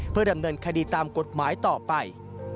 เพื่อดำเนินคดีตามกฎหมายต่อไป